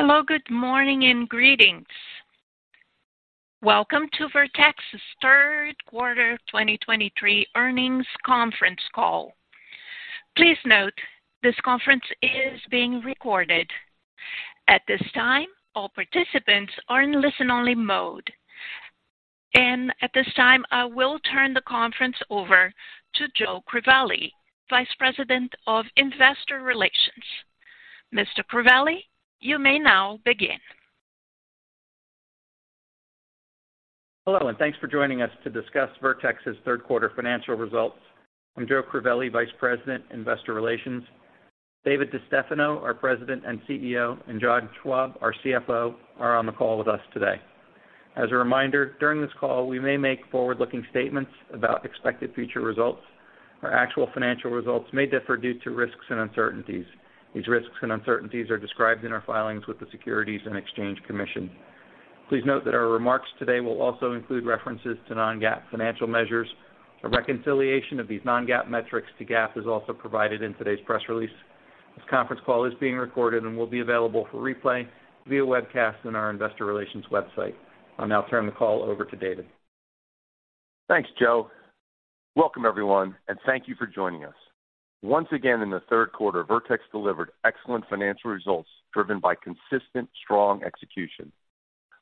Hello, good morning and greetings. Welcome to Vertex's third quarter 2023 earnings conference call. Please note, this conference is being recorded. At this time, all participants are in listen-only mode, and at this time, I will turn the conference over to Joe Crivelli, Vice President of Investor Relations. Mr. Crivelli, you may now begin. Hello, and thanks for joining us to discuss Vertex's third quarter financial results. I'm Joe Crivelli, Vice President, Investor Relations. David DeStefano, our President and CEO, and John Schwab, our CFO, are on the call with us today. As a reminder, during this call, we may make forward-looking statements about expected future results. Our actual financial results may differ due to risks and uncertainties. These risks and uncertainties are described in our filings with the Securities and Exchange Commission. Please note that our remarks today will also include references to non-GAAP financial measures. A reconciliation of these non-GAAP metrics to GAAP is also provided in today's press release. This conference call is being recorded and will be available for replay via webcast on our investor relations website. I'll now turn the call over to David. Thanks, Joe. Welcome, everyone, and thank you for joining us. Once again, in the third quarter, Vertex delivered excellent financial results, driven by consistent, strong execution.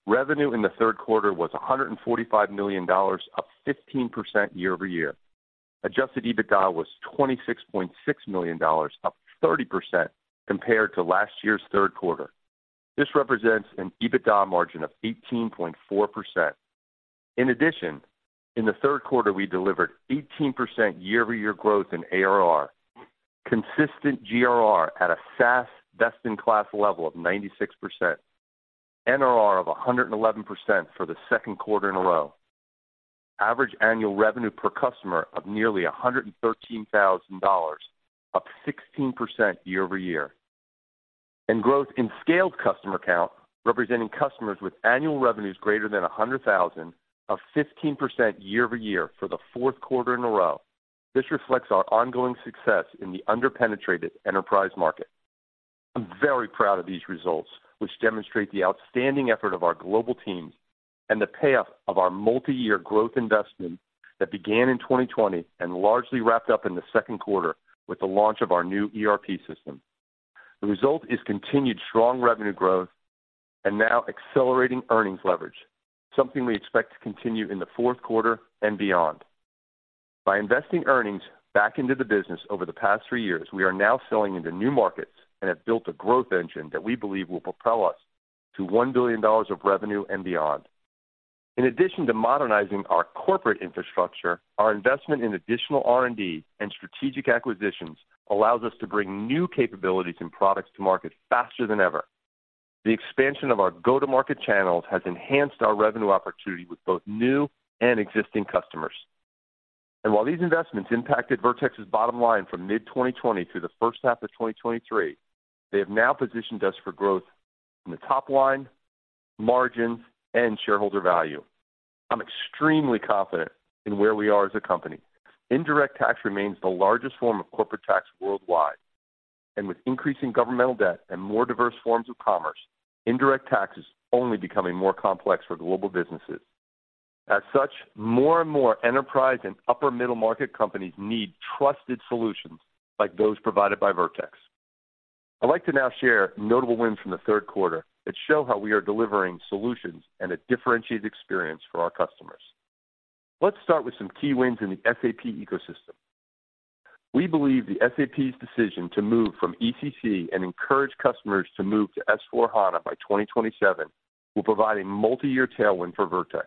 Revenue in the third quarter was $145 million, up 15% year-over-year. Adjusted EBITDA was $26.6 million, up 30% compared to last year's third quarter. This represents an EBITDA margin of 18.4%. In addition, in the third quarter, we delivered 18% year-over-year growth in ARR, consistent GRR at a SaaS best-in-class level of 96%, NRR of 111% for the second quarter in a row, average annual revenue per customer of nearly $113,000, up 16% year-over-year, and growth in scaled customer count, representing customers with annual revenues greater than $100,000, of 15% year-over-year for the fourth quarter in a row. This reflects our ongoing success in the under-penetrated enterprise market. I'm very proud of these results, which demonstrate the outstanding effort of our global teams and the payoff of our multi-year growth investment that began in 2020 and largely wrapped up in the second quarter with the launch of our new ERP system. The result is continued strong revenue growth and now accelerating earnings leverage, something we expect to continue in the fourth quarter and beyond. By investing earnings back into the business over the past three years, we are now selling into new markets and have built a growth engine that we believe will propel us to $1 billion of revenue and beyond. In addition to modernizing our corporate infrastructure, our investment in additional R&D and strategic acquisitions allows us to bring new capabilities and products to market faster than ever. The expansion of our go-to-market channels has enhanced our revenue opportunity with both new and existing customers. And while these investments impacted Vertex's bottom line from mid-2020 through the first half of 2023, they have now positioned us for growth in the top line, margin, and shareholder value. I'm extremely confident in where we are as a company. Indirect tax remains the largest form of corporate tax worldwide, and with increasing governmental debt and more diverse forms of commerce, indirect tax is only becoming more complex for global businesses. As such, more and more enterprise and upper middle market companies need trusted solutions like those provided by Vertex. I'd like to now share notable wins from the third quarter that show how we are delivering solutions and a differentiated experience for our customers. Let's start with some key wins in the SAP ecosystem. We believe SAP's decision to move from ECC and encourage customers to move to S/4HANA by 2027 will provide a multi-year tailwind for Vertex.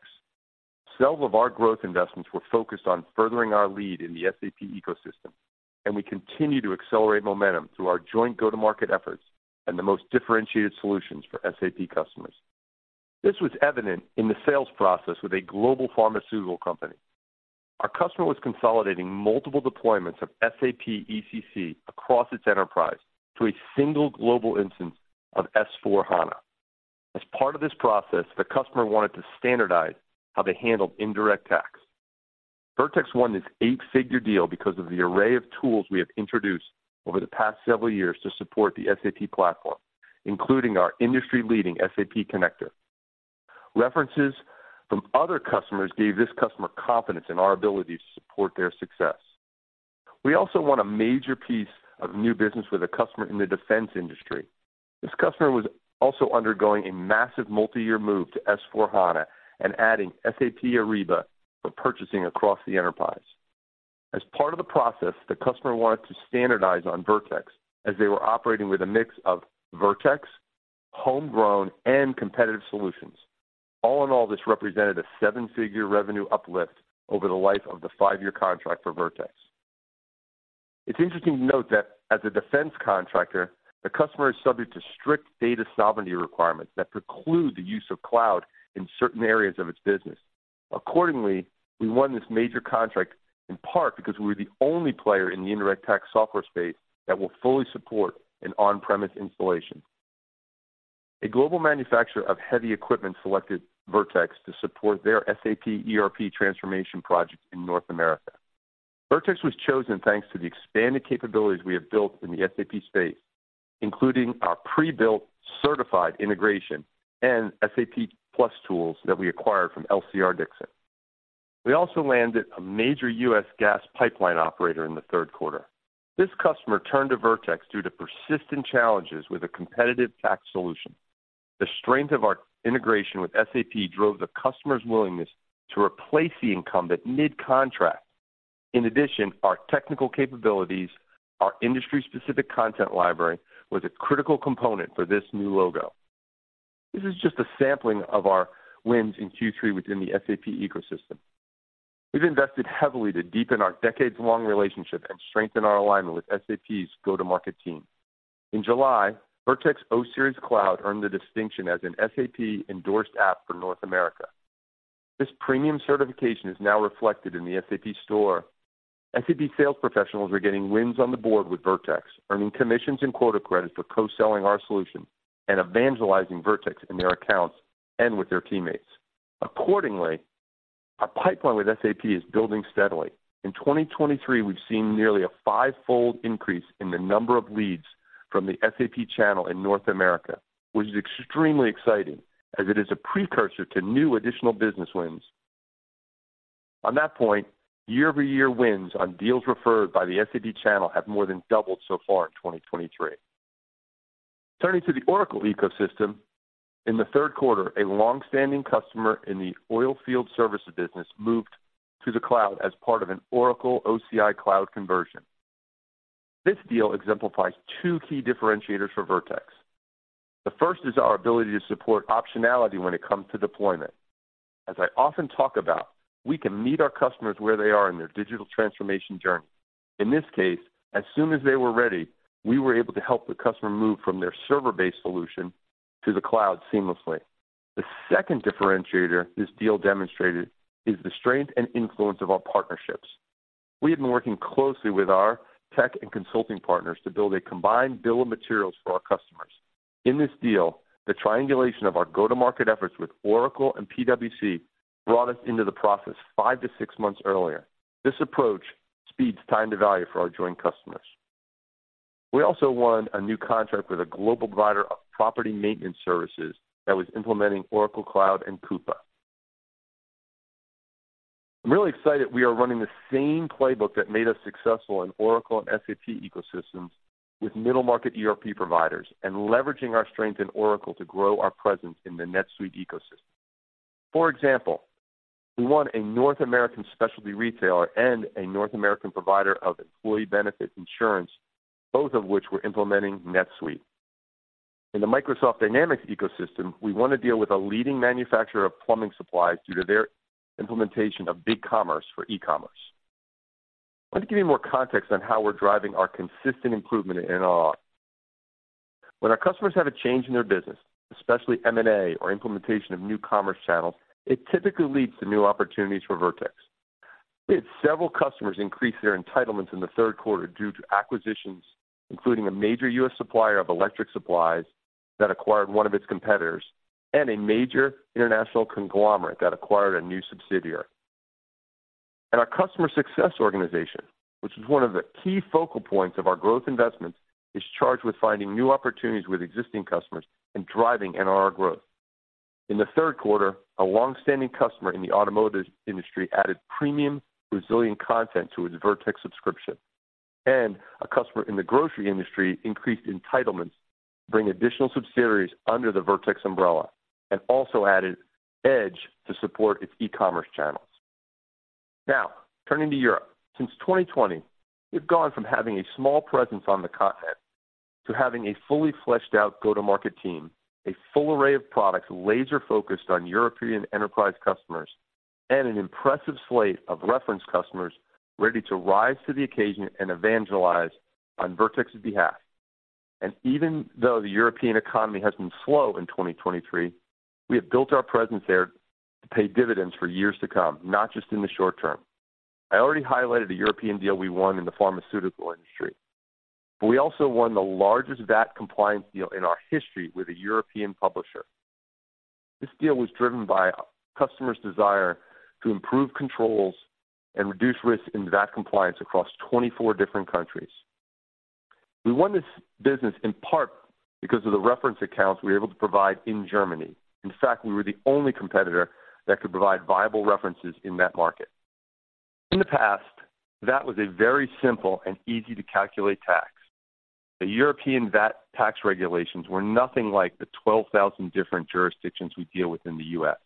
Sales of our growth investments were focused on furthering our lead in the SAP ecosystem, and we continue to accelerate momentum through our joint go-to-market efforts and the most differentiated solutions for SAP customers. This was evident in the sales process with a global pharmaceutical company. Our customer was consolidating multiple deployments of SAP ECC across its enterprise to a single global instance of S/4HANA. As part of this process, the customer wanted to standardize how they handled indirect tax. Vertex won this eight-figure deal because of the array of tools we have introduced over the past several years to support the SAP platform, including our industry-leading SAP connector. References from other customers gave this customer confidence in our ability to support their success. We also won a major piece of new business with a customer in the defense industry. This customer was also undergoing a massive multi-year move to S/4HANA and adding SAP Ariba for purchasing across the enterprise. As part of the process, the customer wanted to standardize on Vertex, as they were operating with a mix of Vertex, homegrown, and competitive solutions. All in all, this represented a seven-figure revenue uplift over the life of the five-year contract for Vertex. It's interesting to note that as a defense contractor, the customer is subject to strict data sovereignty requirements that preclude the use of cloud in certain areas of its business. Accordingly, we won this major contract in part because we were the only player in the indirect tax software space that will fully support an on-premise installation. A global manufacturer of heavy equipment selected Vertex to support their SAP ERP transformation project in North America. Vertex was chosen thanks to the expanded capabilities we have built in the SAP space, including our pre-built certified integration and SAP PLUS Tools that we acquired from LCR-Dixon. We also landed a major U.S. gas pipeline operator in the third quarter. This customer turned to Vertex due to persistent challenges with a competitive tax solution. The strength of our integration with SAP drove the customer's willingness to replace the incumbent mid-contract. In addition, our technical capabilities, our industry-specific content library, was a critical component for this new logo. This is just a sampling of our wins in Q3 within the SAP ecosystem. We've invested heavily to deepen our decades-long relationship and strengthen our alignment with SAP's go-to-market team. In July, Vertex O Series Cloud earned the distinction as an SAP Endorsed App for North America. This premium certification is now reflected in the SAP Store. SAP sales professionals are getting wins on the board with Vertex, earning commissions and quota credits for co-selling our solutions and evangelizing Vertex in their accounts and with their teammates. Accordingly, our pipeline with SAP is building steadily. In 2023, we've seen nearly a fivefold increase in the number of leads from the SAP channel in North America, which is extremely exciting as it is a precursor to new additional business wins. On that point, year-over-year wins on deals referred by the SAP channel have more than doubled so far in 2023. Turning to the Oracle ecosystem, in the third quarter, a long-standing customer in the oilfield services business moved to the cloud as part of an Oracle OCI Cloud conversion. This deal exemplifies two key differentiators for Vertex. The first is our ability to support optionality when it comes to deployment. As I often talk about, we can meet our customers where they are in their digital transformation journey. In this case, as soon as they were ready, we were able to help the customer move from their server-based solution to the cloud seamlessly. The second differentiator this deal demonstrated is the strength and influence of our partnerships. We have been working closely with our tech and consulting partners to build a combined bill of materials for our customers. In this deal, the triangulation of our go-to-market efforts with Oracle and PwC brought us into the process five to six months earlier. This approach speeds time to value for our joint customers. We also won a new contract with a global provider of property maintenance services that was implementing Oracle Cloud and Coupa. I'm really excited we are running the same playbook that made us successful in Oracle and SAP ecosystems with middle-market ERP providers, and leveraging our strength in Oracle to grow our presence in the NetSuite ecosystem. For example, we won a North American specialty retailer and a North American provider of employee benefit insurance, both of which were implementing NetSuite. In the Microsoft Dynamics ecosystem, we won a deal with a leading manufacturer of plumbing supplies due to their implementation of BigCommerce for e-commerce. Let me give you more context on how we're driving our consistent improvement in NRR. When our customers have a change in their business, especially M&A or implementation of new commerce channels, it typically leads to new opportunities for Vertex. We had several customers increase their entitlements in the third quarter due to acquisitions, including a major U.S. supplier of electric supplies that acquired one of its competitors, and a major international conglomerate that acquired a new subsidiary. Our customer success organization, which is one of the key focal points of our growth investments, is charged with finding new opportunities with existing customers and driving NRR growth. In the third quarter, a long-standing customer in the automotive industry added premium, resilient content to its Vertex subscription. A customer in the grocery industry increased entitlements to bring additional subsidiaries under the Vertex umbrella, and also added Edge to support its e-commerce channels. Now, turning to Europe. Since 2020, we've gone from having a small presence on the continent to having a fully fleshed out go-to-market team, a full array of products laser-focused on European enterprise customers, and an impressive slate of reference customers ready to rise to the occasion and evangelize on Vertex's behalf. Even though the European economy has been slow in 2023, we have built our presence there to pay dividends for years to come, not just in the short term. I already highlighted a European deal we won in the pharmaceutical industry, but we also won the largest VAT compliance deal in our history with a European publisher. This deal was driven by our customer's desire to improve controls and reduce risk in VAT compliance across 24 different countries. We won this business in part because of the reference accounts we were able to provide in Germany. In fact, we were the only competitor that could provide viable references in that market. In the past, VAT was a very simple and easy-to-calculate tax. The European VAT tax regulations were nothing like the 12,000 different jurisdictions we deal with in the U.S.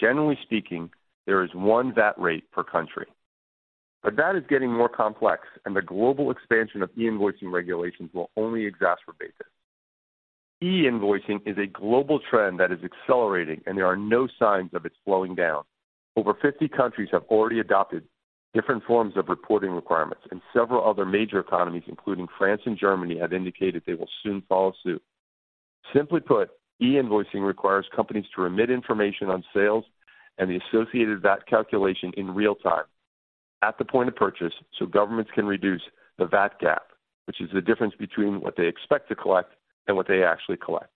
Generally speaking, there is one VAT rate per country, but that is getting more complex, and the global expansion of e-invoicing regulations will only exacerbate this. E-invoicing is a global trend that is accelerating, and there are no signs of it slowing down. Over 50 countries have already adopted different forms of reporting requirements, and several other major economies, including France and Germany, have indicated they will soon follow suit. Simply put, e-invoicing requires companies to remit information on sales and the associated VAT calculation in real time at the point of purchase, so governments can reduce the VAT gap, which is the difference between what they expect to collect and what they actually collect.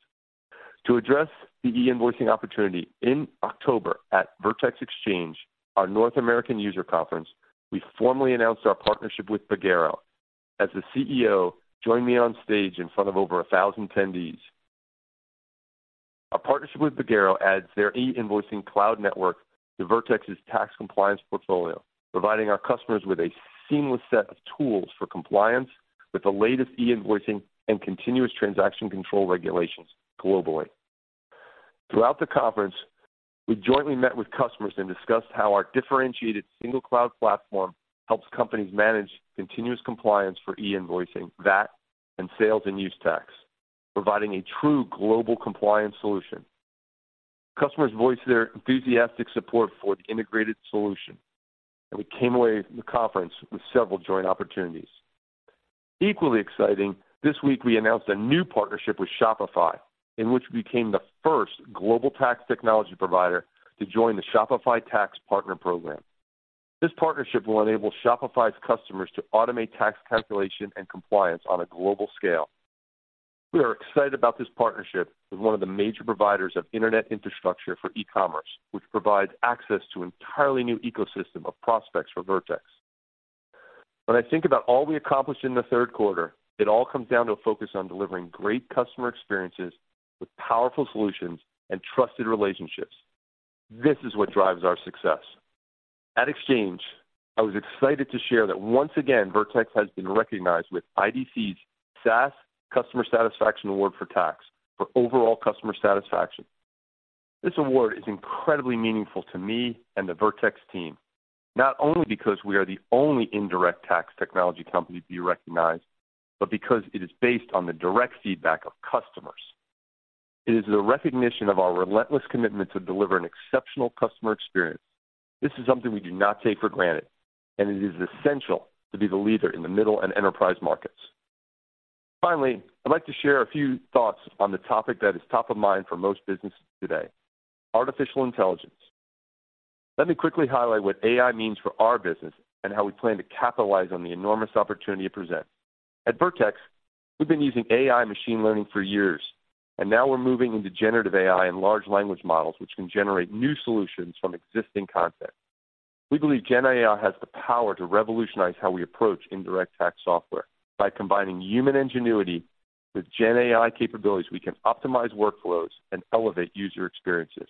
To address the e-invoicing opportunity, in October at Vertex Exchange, our North American user conference, we formally announced our partnership with Pagero, as the CEO joined me on stage in front of over a thousand attendees. Our partnership with Pagero adds their e-invoicing cloud network to Vertex's tax compliance portfolio, providing our customers with a seamless set of tools for compliance with the latest e-invoicing and continuous transaction control regulations globally. Throughout the conference, we jointly met with customers and discussed how our differentiated single cloud platform helps companies manage continuous compliance for e-invoicing, VAT, and sales and use tax, providing a true global compliance solution. Customers voiced their enthusiastic support for the integrated solution, and we came away from the conference with several joint opportunities. Equally exciting, this week we announced a new partnership with Shopify, in which we became the first global tax technology provider to join the Shopify Tax Partner Program. This partnership will enable Shopify's customers to automate tax calculation and compliance on a global scale. We are excited about this partnership with one of the major providers of internet infrastructure for e-commerce, which provides access to an entirely new ecosystem of prospects for Vertex. When I think about all we accomplished in the third quarter, it all comes down to a focus on delivering great customer experiences with powerful solutions and trusted relationships. This is what drives our success. At Exchange, I was excited to share that once again, Vertex has been recognized with IDC's SaaS Customer Satisfaction Award for Tax for overall customer satisfaction. This award is incredibly meaningful to me and the Vertex team, not only because we are the only indirect tax technology company to be recognized, but because it is based on the direct feedback of customers. It is a recognition of our relentless commitment to deliver an exceptional customer experience. This is something we do not take for granted, and it is essential to be the leader in the middle and enterprise markets. Finally, I'd like to share a few thoughts on the topic that is top of mind for most businesses today: artificial intelligence. Let me quickly highlight what AI means for our business and how we plan to capitalize on the enormous opportunity it presents. At Vertex, we've been using AI machine learning for years, and now we're moving into generative AI and large language models, which can generate new solutions from existing content. We believe Gen AI has the power to revolutionize how we approach indirect tax software. By combining human ingenuity with Gen AI capabilities, we can optimize workflows and elevate user experiences.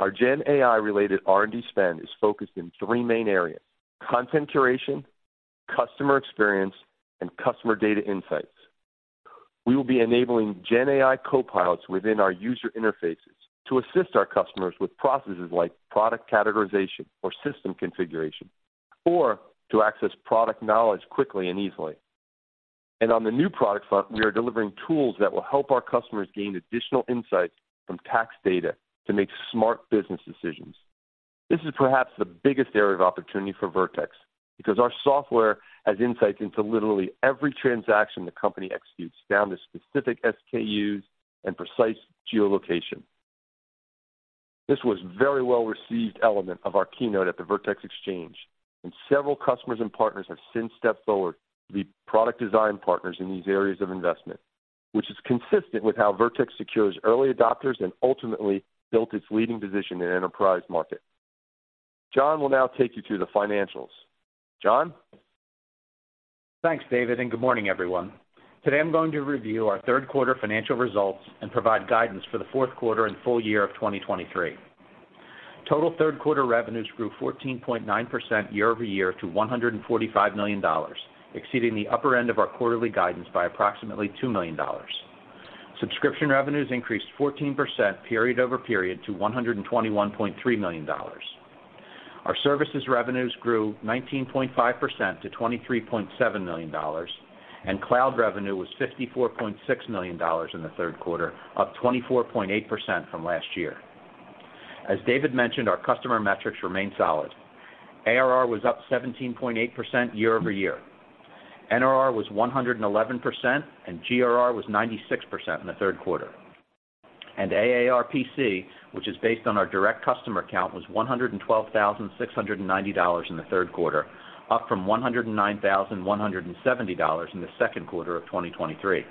Our Gen AI-related R&D spend is focused in three main areas: content curation, customer experience, and customer data insights. We will be enabling Gen AI copilots within our user interfaces to assist our customers with processes like product categorization or system configuration, or to access product knowledge quickly and easily. On the new product front, we are delivering tools that will help our customers gain additional insights from tax data to make smart business decisions. This is perhaps the biggest area of opportunity for Vertex, because our software has insights into literally every transaction the company executes, down to specific SKUs and precise geolocation. This was a very well-received element of our keynote at the Vertex Exchange, and several customers and partners have since stepped forward to be product design partners in these areas of investment, which is consistent with how Vertex secures early adopters and ultimately built its leading position in enterprise market. John will now take you through the financials. John? Thanks, David, and good morning, everyone. Today, I'm going to review our third quarter financial results and provide guidance for the fourth quarter and full year of 2023. Total third-quarter revenues grew 14.9% year-over-year to $145 million, exceeding the upper end of our quarterly guidance by approximately $2 million. Subscription revenues increased 14% period over period to $121.3 million. Our services revenues grew 19.5% to $23.7 million, and cloud revenue was $54.6 million in the third quarter, up 24.8% from last year. As David mentioned, our customer metrics remain solid. ARR was up 17.8% year-over-year. NRR was 111%, and GRR was 96% in the third quarter. AARPC, which is based on our direct customer count, was $112,690 in the third quarter, up from $109,170 in the second quarter of 2023.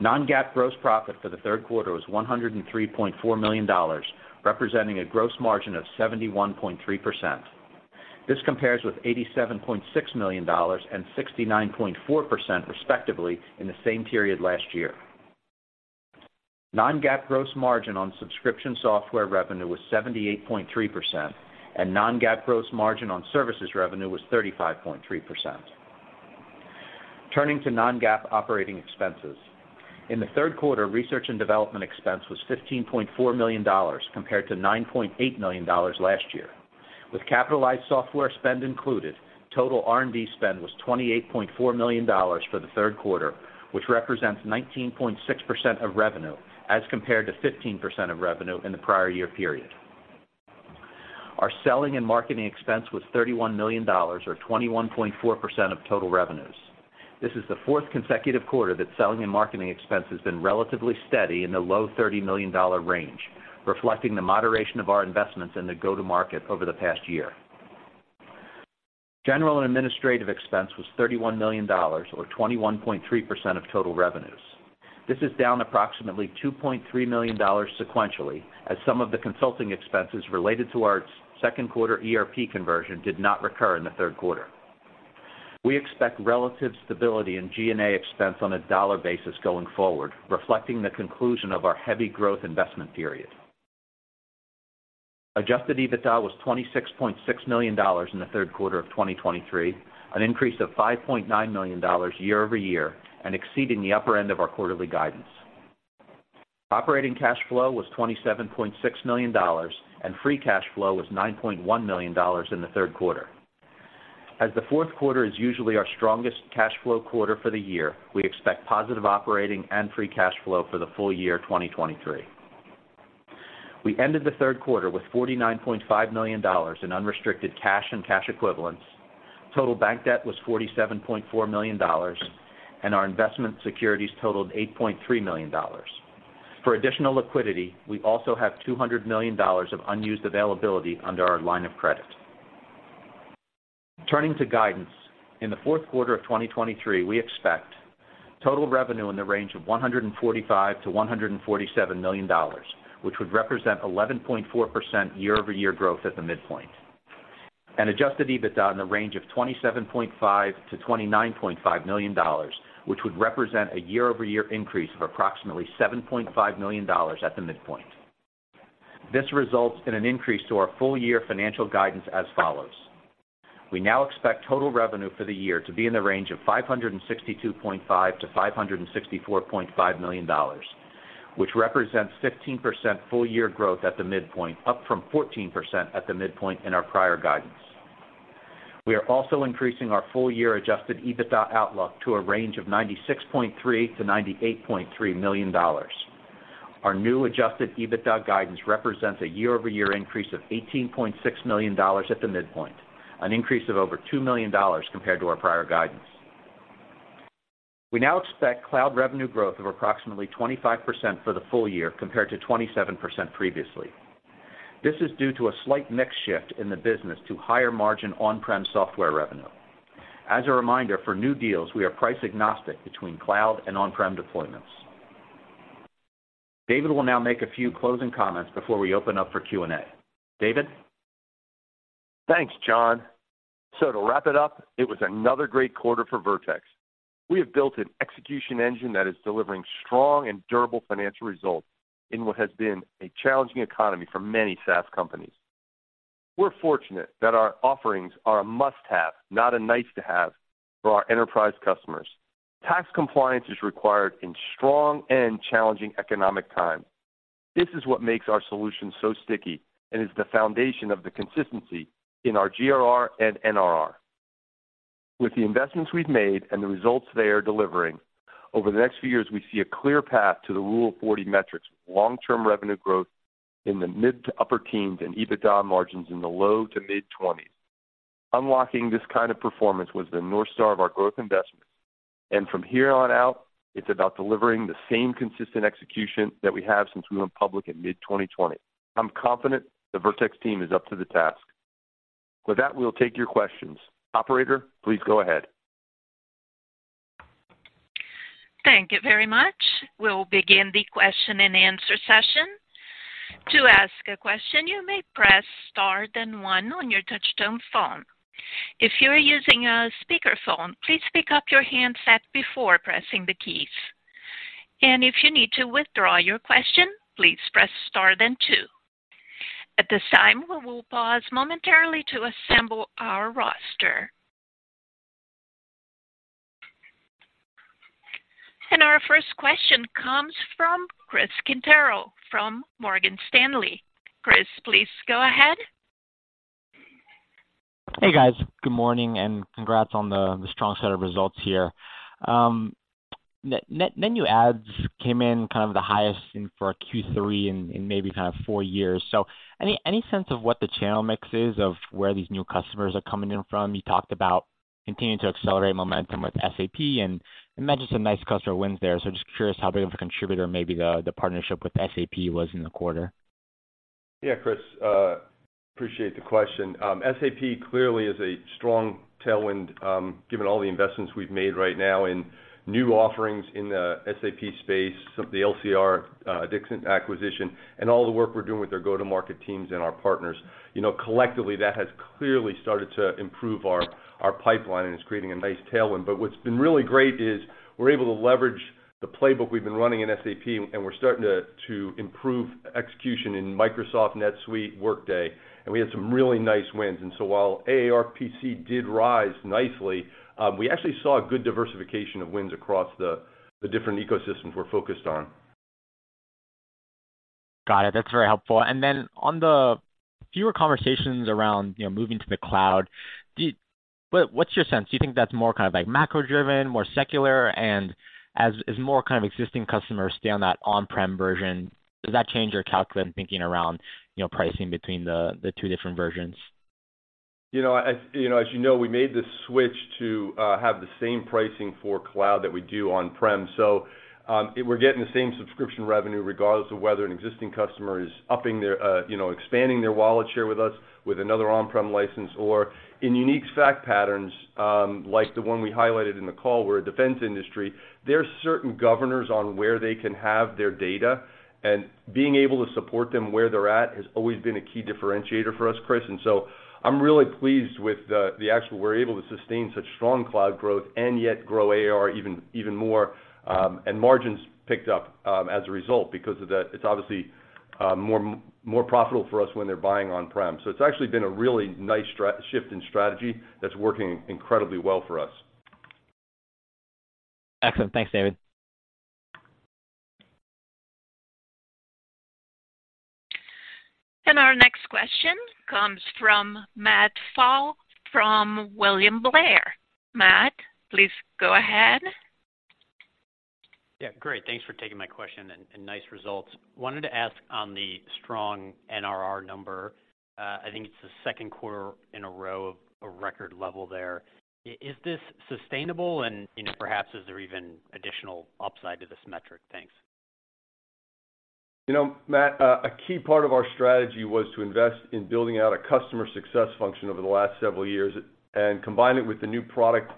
Non-GAAP gross profit for the third quarter was $103.4 million, representing a gross margin of 71.3%. This compares with $87.6 million and 69.4%, respectively, in the same period last year. Non-GAAP gross margin on subscription software revenue was 78.3%, and non-GAAP gross margin on services revenue was 35.3%. Turning to non-GAAP operating expenses. In the third quarter, research and development expense was $15.4 million, compared to $9.8 million last year. With capitalized software spend included, total R&D spend was $28.4 million for the third quarter, which represents 19.6% of revenue, as compared to 15% of revenue in the prior year period. Our selling and marketing expense was $31 million, or 21.4% of total revenues. This is the 4th consecutive quarter that selling and marketing expense has been relatively steady in the low $30 million range, reflecting the moderation of our investments in the go-to-market over the past year. General and administrative expense was $31 million, or 21.3% of total revenues. This is down approximately $2.3 million sequentially, as some of the consulting expenses related to our second quarter ERP conversion did not recur in the third quarter. We expect relative stability in G&A expense on a dollar basis going forward, reflecting the conclusion of our heavy growth investment period. Adjusted EBITDA was $26.6 million in the third quarter of 2023, an increase of $5.9 million year over year, and exceeding the upper end of our quarterly guidance. Operating cash flow was $27.6 million, and free cash flow was $9.1 million in the third quarter. As the fourth quarter is usually our strongest cash flow quarter for the year, we expect positive operating and free cash flow for the full year 2023. We ended the third quarter with $49.5 million in unrestricted cash and cash equivalents. Total bank debt was $47.4 million, and our investment securities totaled $8.3 million. For additional liquidity, we also have $200 million of unused availability under our line of credit. Turning to guidance, in the fourth quarter of 2023, we expect total revenue in the range of $145 million-$147 million, which would represent 11.4% year-over-year growth at the midpoint. Adjusted EBITDA in the range of $27.5 million-$29.5 million, which would represent a year-over-year increase of approximately $7.5 million at the midpoint. This results in an increase to our full year financial guidance as follows: We now expect total revenue for the year to be in the range of $562.5 million-$564.5 million, which represents 15% full year growth at the midpoint, up from 14% at the midpoint in our prior guidance. We are also increasing our full year adjusted EBITDA outlook to a range of $96.3 million-$98.3 million. Our new adjusted EBITDA guidance represents a year-over-year increase of $18.6 million at the midpoint, an increase of over $2 million compared to our prior guidance. We now expect cloud revenue growth of approximately 25% for the full year, compared to 27% previously. This is due to a slight mix shift in the business to higher margin on-prem software revenue. As a reminder, for new deals, we are price agnostic between cloud and on-prem deployments. David will now make a few closing comments before we open up for Q&A. David? Thanks, John. To wrap it up, it was another great quarter for Vertex. We have built an execution engine that is delivering strong and durable financial results in what has been a challenging economy for many SaaS companies. We're fortunate that our offerings are a must-have, not a nice-to-have, for our enterprise customers. Tax compliance is required in strong and challenging economic times. This is what makes our solution so sticky and is the foundation of the consistency in our GRR and NRR. With the investments we've made and the results they are delivering, over the next few years, we see a clear path to the Rule of 40 metrics, long-term revenue growth in the mid to upper teens, and EBITDA margins in the low to mid-twenties. Unlocking this kind of performance was the North Star of our growth investments, and from here on out, it's about delivering the same consistent execution that we have since we went public in mid-2020. I'm confident the Vertex team is up to the task. With that, we'll take your questions. Operator, please go ahead. Thank you very much. We'll begin the question-and-answer session. To ask a question, you may press Star then one on your touchtone phone. If you are using a speakerphone, please pick up your handset before pressing the keys. If you need to withdraw your question, please press Star then two. At this time, we will pause momentarily to assemble our roster. Our first question comes from Chris Quintero from Morgan Stanley. Chris, please go ahead. Hey, guys. Good morning, and congrats on the strong set of results here. Net new adds came in kind of the highest for a Q3 in maybe kind of four years. So any sense of what the channel mix is of where these new customers are coming in from? You talked about continuing to accelerate momentum with SAP and mentioned some nice customer wins there. So just curious how big of a contributor maybe the partnership with SAP was in the quarter. Yeah, Chris, appreciate the question. SAP clearly is a strong tailwind, given all the investments we've made right now in new offerings in the SAP space, the LCR-Dixon acquisition, and all the work we're doing with their go-to-market teams and our partners. You know, collectively, that has clearly started to improve our pipeline and is creating a nice tailwind. But what's been really great is we're able to leverage the playbook we've been running in SAP, and we're starting to improve execution in Microsoft, NetSuite, Workday, and we had some really nice wins. And so while AARPC did rise nicely, we actually saw a good diversification of wins across the different ecosystems we're focused on. Got it. That's very helpful. And then on the fewer conversations around, you know, moving to the cloud, what's your sense? Do you think that's more kind of like macro-driven, more secular, and as more kind of existing customers stay on that on-prem version, does that change your calculus and thinking around, you know, pricing between the two different versions? You know, as you know, we made the switch to have the same pricing for cloud that we do on-prem. So, we're getting the same subscription revenue, regardless of whether an existing customer is upping their... you know, expanding their wallet share with us with another on-prem license. Or in unique fact patterns, like the one we highlighted in the call, where a defense industry, there are certain governors on where they can have their data, and being able to support them where they're at, has always been a key differentiator for us, Chris. And so I'm really pleased with the actual-- we're able to sustain such strong cloud growth and yet grow AR even more, and margins picked up as a result, because of that, it's obviously more profitable for us when they're buying on-prem. So it's actually been a really nice shift in strategy that's working incredibly well for us. Excellent. Thanks, David. Our next question comes from Matt Stotler from William Blair. Matt, please go ahead. Yeah, great. Thanks for taking my question, and nice results. Wanted to ask on the strong NRR number. I think it's the second quarter in a row of a record level there. Is this sustainable? And, you know, perhaps, is there even additional upside to this metric? Thanks. You know, Matt, a key part of our strategy was to invest in building out a customer success function over the last several years and combine it with the new product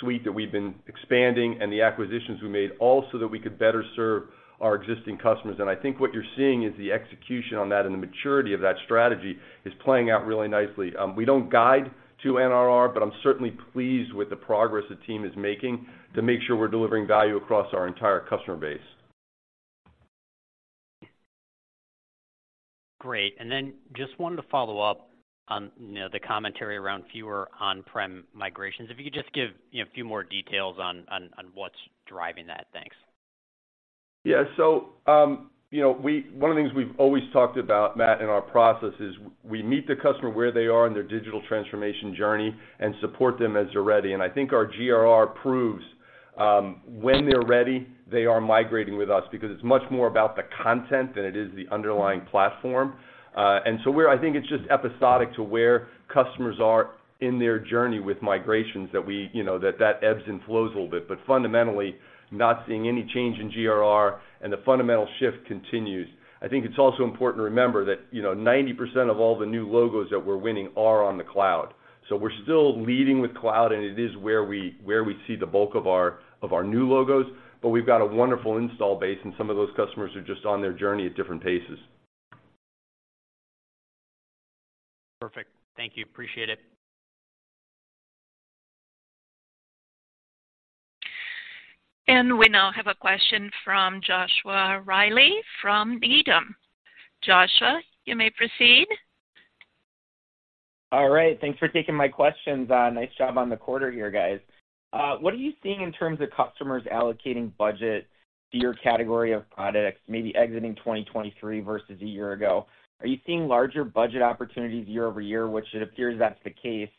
suite that we've been expanding and the acquisitions we made, all so that we could better serve our existing customers. And I think what you're seeing is the execution on that and the maturity of that strategy is playing out really nicely. We don't guide to NRR, but I'm certainly pleased with the progress the team is making, to make sure we're delivering value across our entire customer base. Great. And then just wanted to follow up on, you know, the commentary around fewer on-prem migrations. If you could just give, you know, a few more details on what's driving that. Thanks. Yeah. So, you know, we, one of the things we've always talked about, Matt, in our process is, we meet the customer where they are in their digital transformation journey and support them as they're ready. And I think our GRR proves, when they're ready, they are migrating with us because it's much more about the content than it is the underlying platform. And so we're, I think it's just episodic to where customers are in their journey with migrations that we, you know, that ebbs and flows a little bit, but fundamentally, not seeing any change in GRR, and the fundamental shift continues. I think it's also important to remember that, you know, 90% of all the new logos that we're winning are on the cloud. So we're still leading with cloud, and it is where we see the bulk of our new logos, but we've got a wonderful installed base, and some of those customers are just on their journey at different paces. Perfect. Thank you. Appreciate it. We now have a question from Joshua Reilly from Needham. Joshua, you may proceed. All right. Thanks for taking my questions. Nice job on the quarter here, guys. What are you seeing in terms of customers allocating budget to your category of products, maybe exiting 2023 versus a year ago? Are you seeing larger budget opportunities year over year, which it appears that's the case,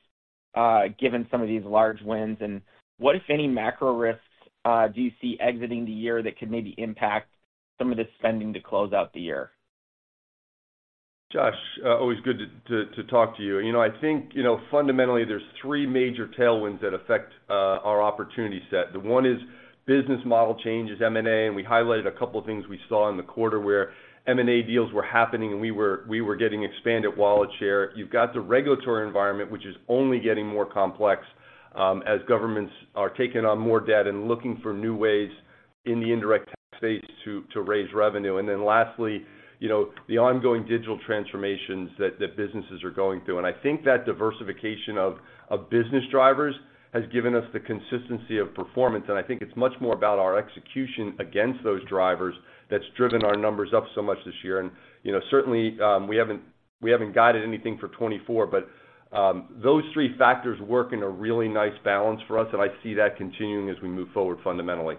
given some of these large wins, and what, if any, macro risks, do you see exiting the year that could maybe impact some of the spending to close out the year? Josh, always good to talk to you. You know, I think, you know, fundamentally, there's three major tailwinds that affect our opportunity set. The one is business model changes, M&A, and we highlighted a couple of things we saw in the quarter where M&A deals were happening, and we were getting expanded wallet share. You've got the regulatory environment, which is only getting more complex, as governments are taking on more debt and looking for new ways in the indirect tax space to raise revenue. And then lastly, you know, the ongoing digital transformations that businesses are going through. And I think that diversification of business drivers has given us the consistency of performance, and I think it's much more about our execution against those drivers that's driven our numbers up so much this year. You know, certainly, we haven't, we haven't guided anything for 2024, but those three factors work in a really nice balance for us, and I see that continuing as we move forward, fundamentally.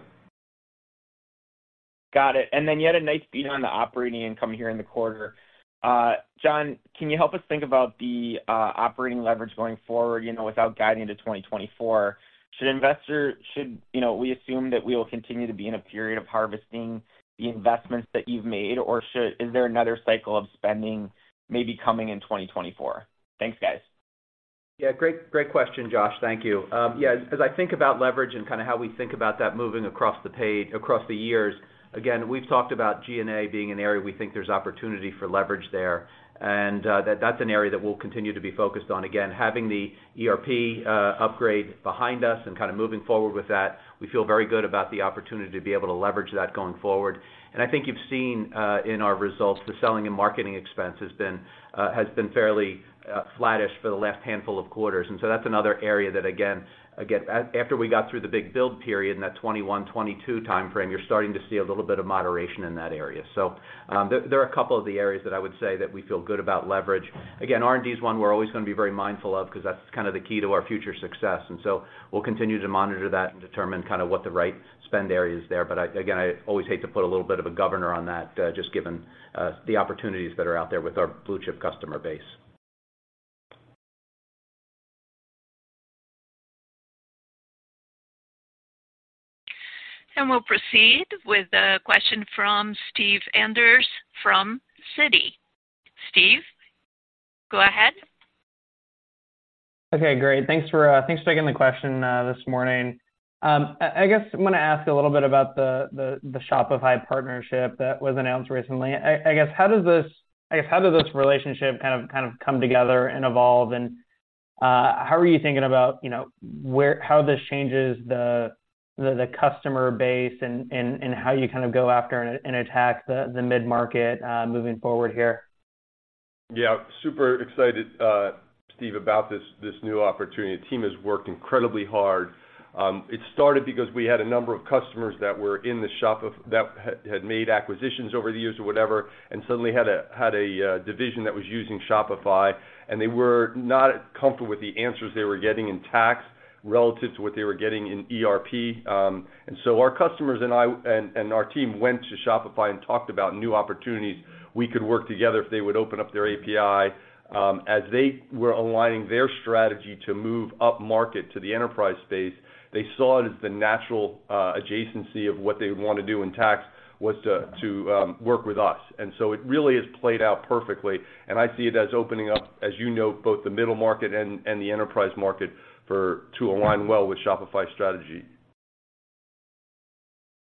Got it. And then you had a nice beat on the operating income here in the quarter. John, can you help us think about the operating leverage going forward, you know, without guiding into 2024? Should we assume that we will continue to be in a period of harvesting the investments that you've made, or is there another cycle of spending maybe coming in 2024? Thanks, guys. Yeah, great, great question, Josh. Thank you. Yeah, as I think about leverage and kinda how we think about that moving across the page, across the years, again, we've talked about G&A being an area we think there's opportunity for leverage there, and that's an area that we'll continue to be focused on. Again, having the ERP upgrade behind us and kinda moving forward with that, we feel very good about the opportunity to be able to leverage that going forward. And I think you've seen in our results, the selling and marketing expense has been fairly flattish for the last handful of quarters. And so that's another area that, again, again, after we got through the big build period in that 2021, 2022 timeframe, you're starting to see a little bit of moderation in that area. So, there are a couple of the areas that I would say that we feel good about leverage. Again, R&D is one we're always gonna be very mindful of because that's kind of the key to our future success. And so we'll continue to monitor that and determine kinda what the right spend area is there. But I, again, I always hate to put a little bit of a governor on that, just given the opportunities that are out there with our blue-chip customer base. We'll proceed with a question from Steve Enders from Citi. Steve, go ahead. Okay, great. Thanks for taking the question this morning. I guess I'm gonna ask you a little bit about the Shopify partnership that was announced recently. I guess how did this relationship kind of come together and evolve? And how are you thinking about, you know, how this changes the customer base and how you kind of go after and attack the mid-market moving forward here? Yeah, super excited, Steve, about this new opportunity. The team has worked incredibly hard. It started because we had a number of customers that had made acquisitions over the years or whatever, and suddenly had a division that was using Shopify, and they were not comfortable with the answers they were getting in tax relative to what they were getting in ERP. And so our customers and I and our team went to Shopify and talked about new opportunities. We could work together if they would open up their API. As they were aligning their strategy to move upmarket to the enterprise space, they saw it as the natural adjacency of what they want to do in tax was to work with us. And so it really has played out perfectly, and I see it as opening up, as you know, both the middle market and the enterprise market for, to align well with Shopify's strategy.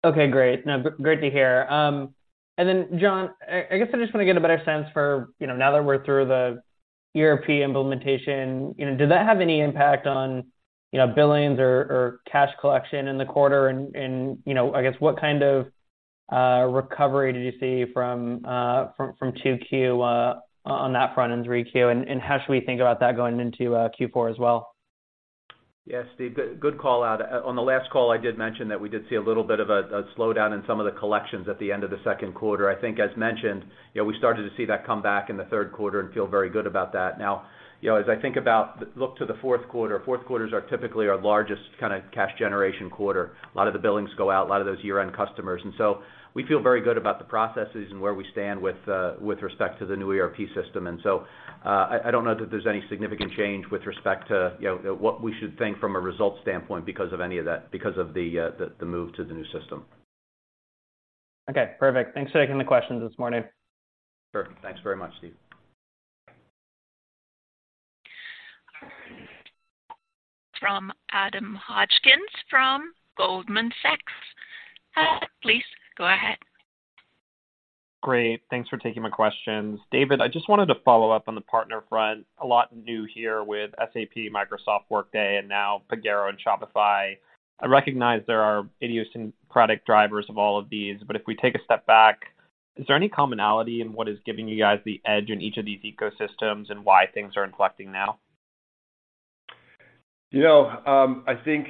Okay, great. No, great to hear. And then, John, I guess I just want to get a better sense for, you know, now that we're through the ERP implementation, you know, did that have any impact on, you know, billings or cash collection in the quarter? And, you know, I guess, what kind of recovery did you see from 2Q on that front in 3Q? And how should we think about that going into Q4 as well? Yes, Steve, good, good call out. On the last call, I did mention that we did see a little bit of a slowdown in some of the collections at the end of the second quarter. I think as mentioned, you know, we started to see that come back in the third quarter and feel very good about that. Now, you know, as I think about, look to the fourth quarter, fourth quarters are typically our largest kind of cash generation quarter. A lot of the billings go out, a lot of those year-end customers. And so we feel very good about the processes and where we stand with respect to the new ERP system. I don't know that there's any significant change with respect to, you know, what we should think from a results standpoint because of any of that, because of the move to the new system. Okay, perfect. Thanks for taking the questions this morning. Sure. Thanks very much, Steve. From Adam Hotchkiss, from Goldman Sachs. Please go ahead. Great. Thanks for taking my questions. David, I just wanted to follow up on the partner front. A lot new here with SAP, Microsoft, Workday, and now Pagero and Shopify. I recognize there are interesting product drivers of all of these, but if we take a step back, is there any commonality in what is giving you guys the edge in each of these ecosystems and why things are inflecting now? You know, I think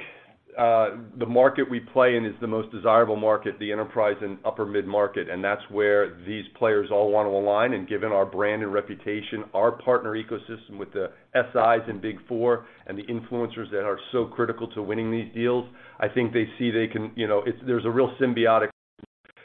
the market we play in is the most desirable market, the enterprise and upper mid-market, and that's where these players all want to align. Given our brand and reputation, our partner ecosystem with the SIs and Big Four and the influencers that are so critical to winning these deals, I think they see they can, you know, it's, there's a real symbiotic,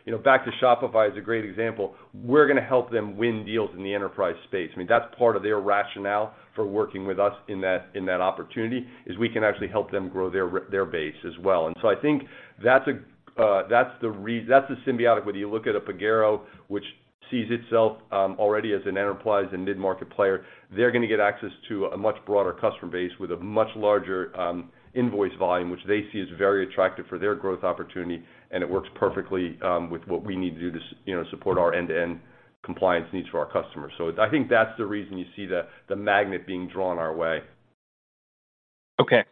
you know, back to Shopify is a great example. We're going to help them win deals in the enterprise space. I mean, that's part of their rationale for working with us in that, in that opportunity, is we can actually help them grow their base as well. And so I think that's the symbiotic. Whether you look at a Pagero, which sees itself, already as an enterprise and mid-market player, they're going to get access to a much broader customer base with a much larger, invoice volume, which they see as very attractive for their growth opportunity, and it works perfectly, with what we need to do to you know, support our end-to-end compliance needs for our customers. So I think that's the reason you see the magnet being drawn our way. Okay.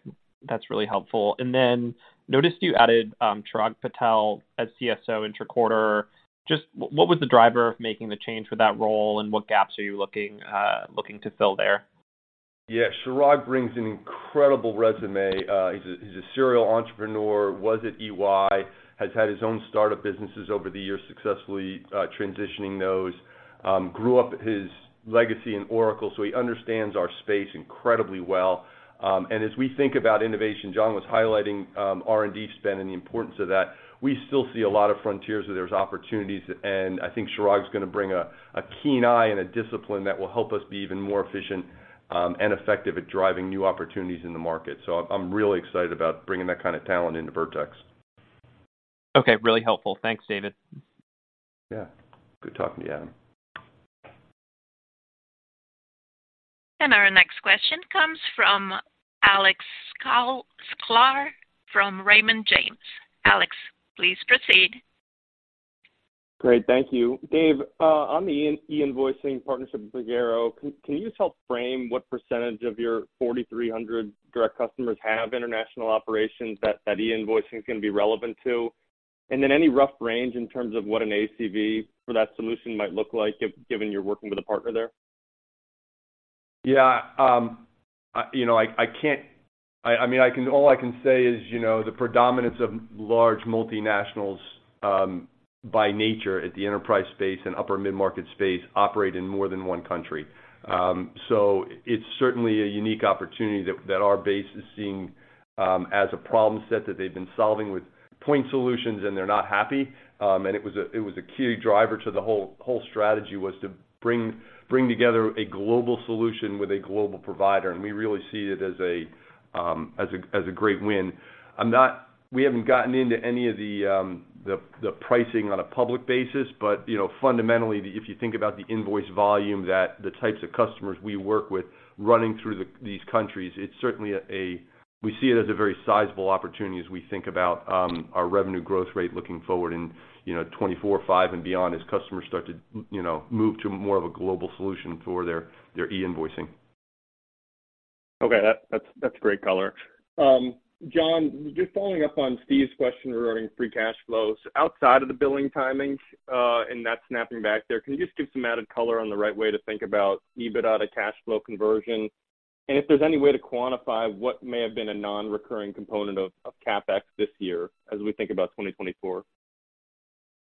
That's really helpful. And then, noticed you added, Chirag Patel as CSO intra-quarter. Just what was the driver of making the change for that role, and what gaps are you looking to fill there? Yeah. Chirag brings an incredible resume. He's a, he's a serial entrepreneur, was at EY, has had his own startup businesses over the years, successfully transitioning those. Grew up his legacy in Oracle, so he understands our space incredibly well. And as we think about innovation, John was highlighting R&D spend and the importance of that. We still see a lot of frontiers where there's opportunities, and I think Chirag is going to bring a keen eye and a discipline that will help us be even more efficient and effective at driving new opportunities in the market. So I'm really excited about bringing that kind of talent into Vertex. Okay, really helpful. Thanks, David. Yeah. Good talking to you, Adam. Our next question comes from Alex Sklar from Raymond James. Alex, please proceed. Great. Thank you. Dave, on the e-invoicing partnership with Pagero, can you just help frame what percentage of your 4,300 direct customers have international operations that e-invoicing is going to be relevant to? And then any rough range in terms of what an ACV for that solution might look like, given you're working with a partner there? Yeah, you know, I mean, all I can say is, you know, the predominance of large multinationals, by nature, at the enterprise space and upper mid-market space, operate in more than one country. So it's certainly a unique opportunity that our base is seeing as a problem set that they've been solving with point solutions, and they're not happy. And it was a key driver to the whole strategy was to bring together a global solution with a global provider, and we really see it as a great win. I'm not-- We haven't gotten into any of the pricing on a public basis, but, you know, fundamentally, if you think about the invoice volume that the types of customers we work with running through these countries, it's certainly a-- we see it as a very sizable opportunity as we think about our revenue growth rate looking forward in, you know, 2024, 2025, and beyond, as customers start to, you know, move to more of a global solution for their e-invoicing. Okay, that's great color. John, just following up on Steve's question regarding free cash flows. Outside of the billing timings, and that snapping back there, can you just give some added color on the right way to think about EBITDA to cash flow conversion? And if there's any way to quantify what may have been a nonrecurring component of CapEx this year as we think about 2024.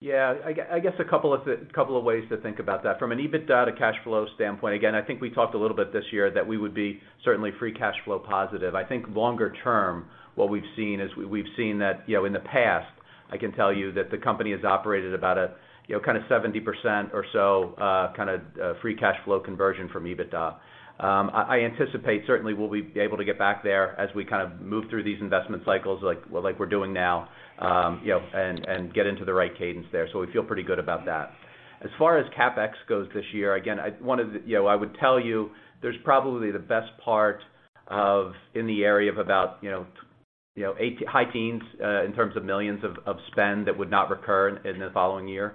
Yeah. I guess a couple of ways to think about that. From an EBITDA to cash flow standpoint, again, I think we talked a little bit this year that we would be certainly free cash flow positive. I think longer term, what we've seen is we've seen that, you know, in the past, I can tell you that the company has operated about a, you know, kind of 70% or so, kind of, free cash flow conversion from EBITDA. I anticipate certainly we'll be able to get back there as we kind of move through these investment cycles like, like we're doing now, you know, and, and get into the right cadence there. So we feel pretty good about that. As far as CapEx goes this year, again, I wanted to... You know, I would tell you there's probably the best part of, in the area of about, you know, $8 million-high teens million of spend that would not recur in the following year.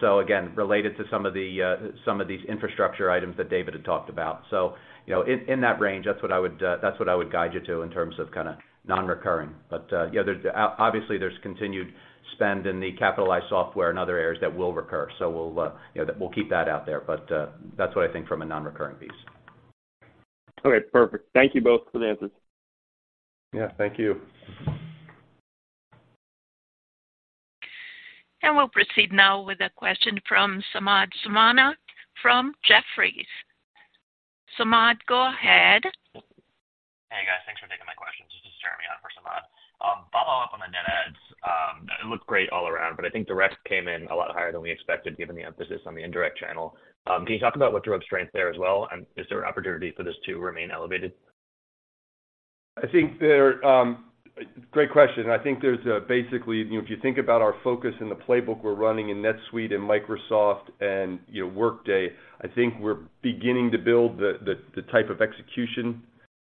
So again, related to some of these infrastructure items that David had talked about. So, you know, in that range, that's what I would guide you to in terms of kinda nonrecurring. But, yeah, there's obviously there's continued spend in the capitalized software and other areas that will recur, so we'll, you know, we'll keep that out there, but that's what I think from a nonrecurring piece. Okay, perfect. Thank you both for the answers. Yeah, thank you. We'll proceed now with a question from Samad Samana from Jefferies. Samad, go ahead. Hey, guys. Thanks for taking my questions. This is Jeremy on for Samad. Follow-up on the net adds, it looked great all around, but I think the rest came in a lot higher than we expected, given the emphasis on the indirect channel. Can you talk about what drove strength there as well? And is there an opportunity for this to remain elevated? Great question. I think there's basically, you know, if you think about our focus and the playbook we're running in NetSuite and Microsoft and, you know, Workday, I think we're beginning to build the type of execution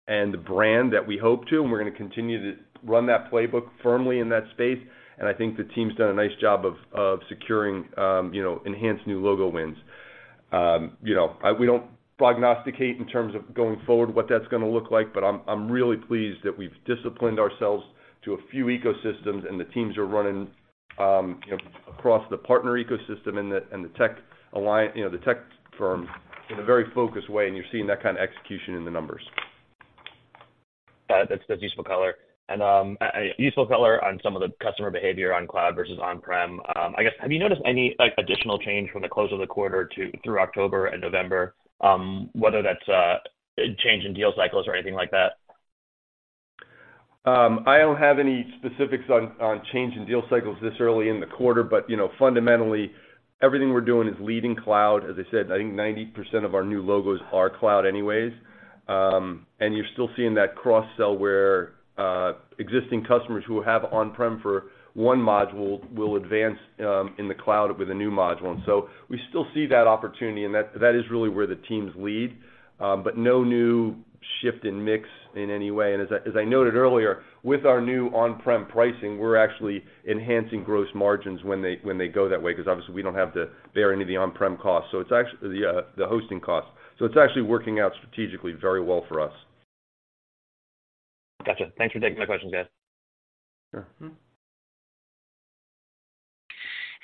and the brand that we hope to, and we're gonna continue to run that playbook firmly in that space. And I think the team's done a nice job of securing, you know, enhanced new logo wins. You know, we don't prognosticate in terms of going forward, what that's gonna look like, but I'm really pleased that we've disciplined ourselves to a few ecosystems, and the teams are running, you know, across the partner ecosystem and the tech alignment, you know, the tech firms in a very focused way, and you're seeing that kind of execution in the numbers. Got it. That's, that's useful color. Useful color on some of the customer behavior on cloud versus on-prem. I guess, have you noticed any, like, additional change from the close of the quarter through October and November, whether that's a change in deal cycles or anything like that? I don't have any specifics on change in deal cycles this early in the quarter, but you know, fundamentally, everything we're doing is leading cloud. As I said, I think 90% of our new logos are cloud anyways. And you're still seeing that cross-sell where existing customers who have on-prem for one module will advance in the cloud with a new module. And so we still see that opportunity, and that is really where the teams lead. But no new shift in mix in any way. And as I noted earlier, with our new on-prem pricing, we're actually enhancing gross margins when they go that way, because obviously, we don't have to bear any of the on-prem costs. So it's actually the hosting costs. So it's actually working out strategically very well for us. Gotcha. Thanks for taking my questions, guys. Sure.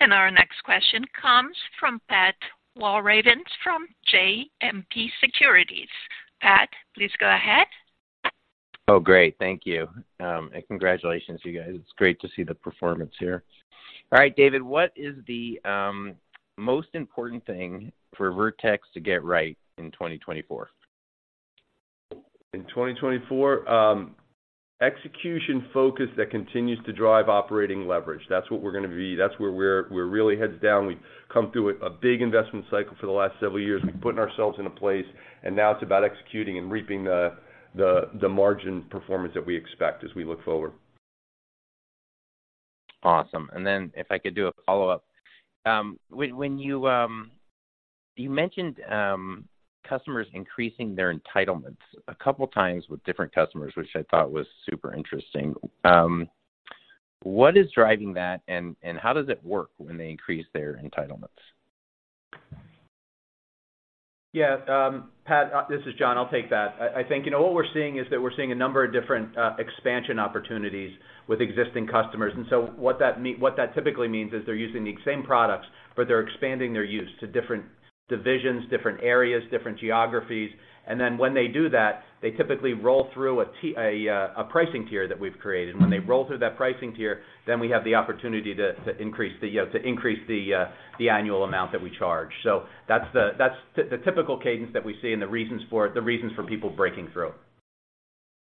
Our next question comes from Pat Walravens from JMP Securities. Pat, please go ahead. Oh, great. Thank you. And congratulations, you guys. It's great to see the performance here. All right, David, what is the most important thing for Vertex to get right in 2024? In 2024, execution focus that continues to drive operating leverage. That's what we're gonna be. That's where we're really heads down. We've come through a big investment cycle for the last several years. We've putting ourselves in a place, and now it's about executing and reaping the margin performance that we expect as we look forward. Awesome. And then if I could do a follow-up. When you mentioned customers increasing their entitlements a couple of times with different customers, which I thought was super interesting. What is driving that, and how does it work when they increase their entitlements? Yeah, Pat, this is John. I'll take that. I think, you know, what we're seeing is that we're seeing a number of different expansion opportunities with existing customers. And so what that typically means is they're using the same products, but they're expanding their use to different divisions, different areas, different geographies. And then when they do that, they typically roll through a pricing tier that we've created. When they roll through that pricing tier, then we have the opportunity to increase the annual amount that we charge. So that's the typical cadence that we see and the reasons for it, the reasons for people breaking through.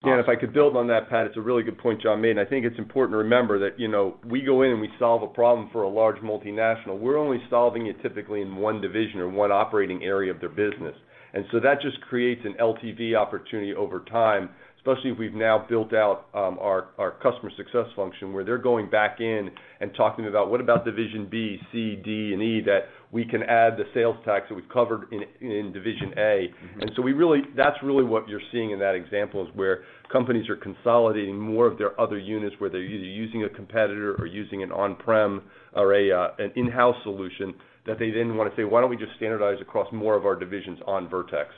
Yeah, and if I could build on that, Pat, it's a really good point John made, and I think it's important to remember that, you know, we go in, and we solve a problem for a large multinational. We're only solving it typically in one division or one operating area of their business. And so that just creates an LTV opportunity over time, especially if we've now built out our customer success function, where they're going back in and talking about what about division B, C, D, and E, that we can add the sales tax that we've covered in division A. And so we really—that's really what you're seeing in that example, is where companies are consolidating more of their other units, where they're either using a competitor or using an on-prem or an in-house solution that they then want to say: Why don't we just standardize across more of our divisions on Vertex?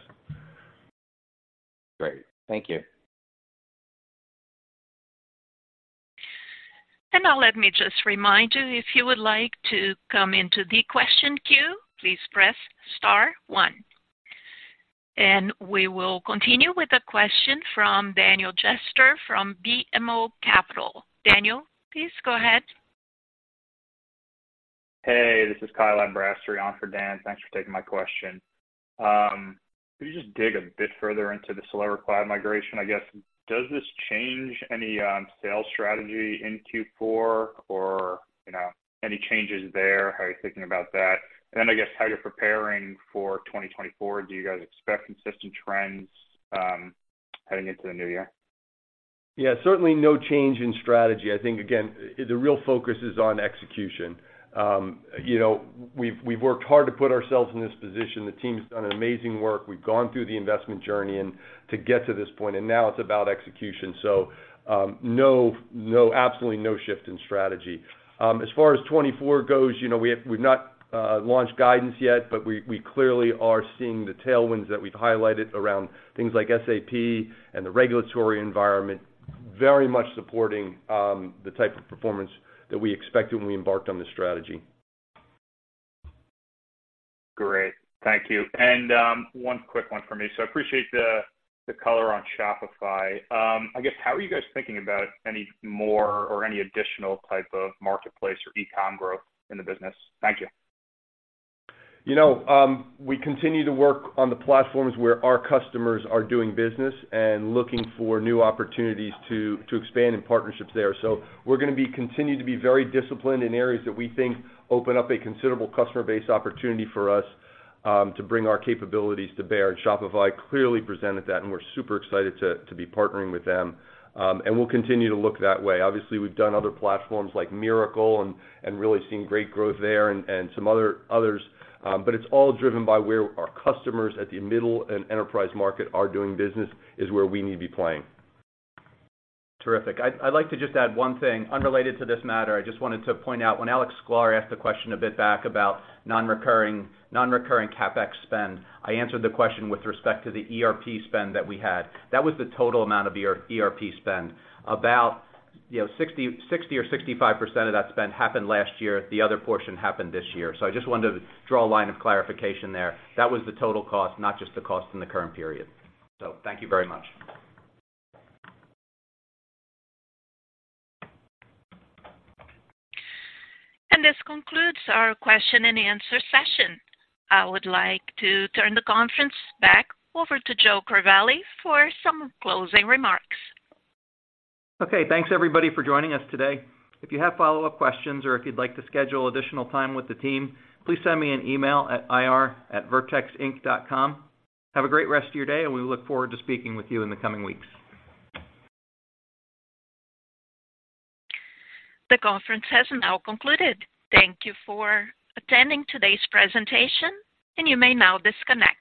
Great. Thank you. And now let me just remind you, if you would like to come into the question queue, please press star one. And we will continue with a question from Daniel Jester from BMO Capital. Daniel, please go ahead. Hey, this is Kyle Aberasturi on for Dan. Thanks for taking my question. Could you just dig a bit further into the cloud migration, I guess? Does this change any sales strategy in Q4, or, you know, any changes there? How are you thinking about that? And then, I guess, how you're preparing for 2024, do you guys expect consistent trends heading into the new year? Yeah, certainly no change in strategy. I think, again, the real focus is on execution. You know, we've, we've worked hard to put ourselves in this position. The team's done an amazing work. We've gone through the investment journey and to get to this point, and now it's about execution. So, no, no, absolutely no shift in strategy. As far as 2024 goes, you know, we have... We've not launched guidance yet, but we, we clearly are seeing the tailwinds that we've highlighted around things like SAP and the regulatory environment, very much supporting the type of performance that we expected when we embarked on this strategy. Great. Thank you. And, one quick one for me. So I appreciate the color on Shopify. I guess, how are you guys thinking about any more or any additional type of marketplace or e-com growth in the business? Thank you. You know, we continue to work on the platforms where our customers are doing business and looking for new opportunities to expand in partnerships there. So we're gonna be continuing to be very disciplined in areas that we think open up a considerable customer base opportunity for us to bring our capabilities to bear. And Shopify clearly presented that, and we're super excited to be partnering with them. And we'll continue to look that way. Obviously, we've done other platforms like Mirakl and really seeing great growth there and some others, but it's all driven by where our customers at the middle and enterprise market are doing business, is where we need to be playing. Terrific. I'd like to just add one thing unrelated to this matter. I just wanted to point out, when Alex Sklar asked a question a bit back about nonrecurring CapEx spend, I answered the question with respect to the ERP spend that we had. That was the total amount of ERP spend. About, you know, 60 or 65% of that spend happened last year. The other portion happened this year. So I just wanted to draw a line of clarification there. That was the total cost, not just the cost in the current period. So thank you very much. This concludes our question and answer session. I would like to turn the conference back over to Joe Crivelli for some closing remarks. Okay. Thanks, everybody, for joining us today. If you have follow-up questions or if you'd like to schedule additional time with the team, please send me an email at ir@vertexinc.com. Have a great rest of your day, and we look forward to speaking with you in the coming weeks. The conference has now concluded. Thank you for attending today's presentation, and you may now disconnect.